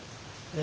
え？